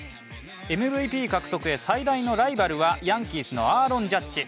ＭＶＰ獲得へ最大のライバルはヤンキースのアーロン・ジャッジ。